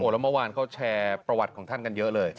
แล้วเมื่อวานเขาแชร์ประวัติของท่านกันเยอะเลย